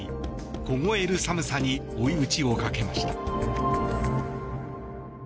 凍える寒さに追い打ちをかけました。